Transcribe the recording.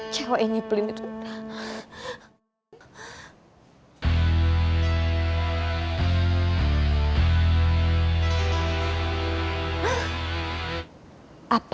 cewek yang di beli itu udah